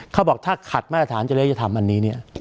เขาบอกถ้าขัดมาตรฐานจริยธรรมอันนี้เนี่ย